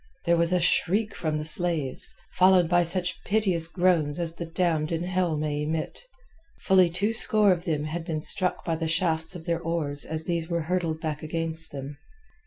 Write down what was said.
There was a shriek from the slaves, followed by such piteous groans as the damned in hell may emit. Fully two score of them had been struck by the shafts of their oars as these were hurled back against them.